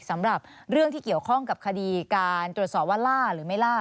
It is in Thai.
สำหรับเรื่องที่เกี่ยวข้องกับคดีการตรวจสอบว่าล่าหรือไม่ล่า